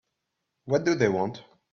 What do they want?